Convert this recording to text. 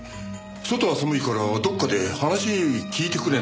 外は寒いからどこかで話聞いてくれなんて言われてね。